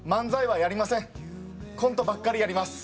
コントばっかりやります。